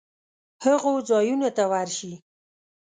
هغو ځایونو ته ورشي